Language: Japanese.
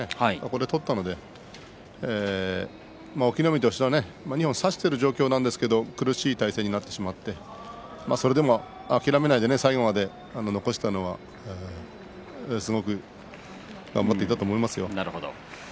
取ったので隠岐の海としては、２本差している状況なんですが苦しい体勢になってしまってそれでも諦めないで最後まで残したのはすごく頑張っていたと思いますよ。